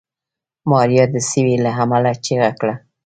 ماريا د سوي له امله چيغه کړه.